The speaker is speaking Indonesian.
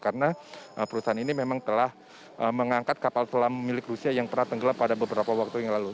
karena perusahaan ini memang telah mengangkat kapal selam milik rusia yang pernah tenggelam pada beberapa waktu yang lalu